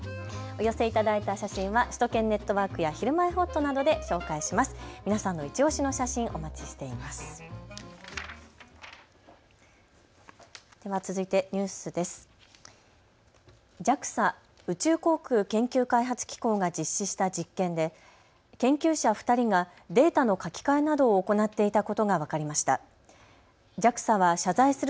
お寄せいただいた写真は首都圏ネットワークやひるまえほっとなどで紹介します。